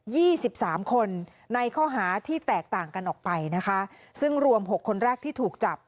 สิบสามคนในข้อหาที่แตกต่างกันออกไปนะคะซึ่งรวมหกคนแรกที่ถูกจับ